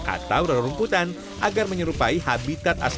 atau daun rumputan agar menyebabkan jangkrik kecil atau nimfa ini ke dalam wadah besar